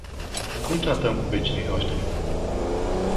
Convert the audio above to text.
Cum să tratăm cu vecinii noștri?